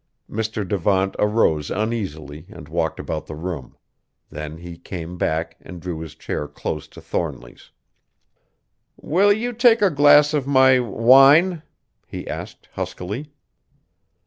Mr. Devant arose uneasily and walked about the room, then he came back and drew his chair close to Thornly's. "Will you take a glass of my wine?" he asked huskily.